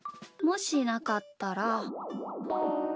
もしなかったら。